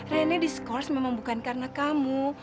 rene diskurs memang bukan karena kamu